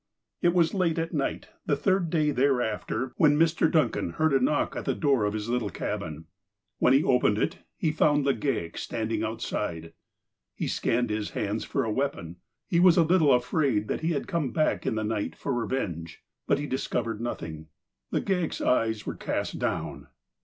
It was late at night, the third day thereafter, when 160 THE APOSTLE OF ALASKA Mr. Duncan hearH a knock at tlie door of his little cabin. When lie opened it, he found Legaic standing outside. He scanned his hands for a weapon. He was a little afraid that he had come back in the night for revenge. But he discovered nothing. Legale' s eyes were cast down.